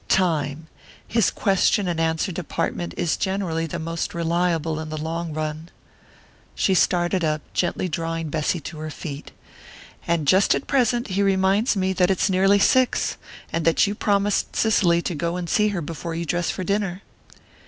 "Time. His question and answer department is generally the most reliable in the long run." She started up, gently drawing Bessy to her feet. "And just at present he reminds me that it's nearly six, and that you promised Cicely to go and see her before you dress for dinner."